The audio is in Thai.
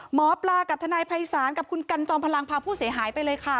หมอปลากับทนายภัยศาลกับคุณกันจอมพลังพาผู้เสียหายไปเลยค่ะ